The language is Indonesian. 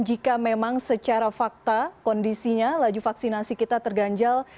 jika memang secara fakta kondisinya laju vaksinasi kita terganjal